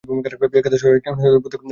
কেদারেশ্বর একজন বৈদ্যকে সঙ্গে করিয়া আনিল।